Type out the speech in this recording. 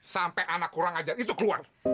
sampai anak kurang ajar itu keluar